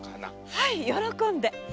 はい喜んで！